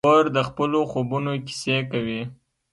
خور د خپلو خوبونو کیسې کوي.